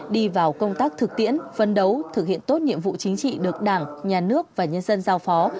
đi vào công tác thực tiễn phân đấu thực hiện tốt nhiệm vụ chính trị được đảng nhà nước và nhân dân giao phó